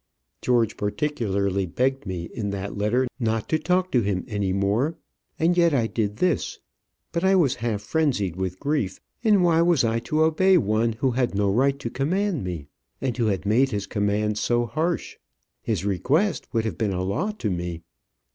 George particularly begged me in that letter not to talk to him any more; and yet I did this. But I was half frenzied with grief; and why was I to obey one who had no right to command me, and who made his commands so harsh? His request would have been a law to me.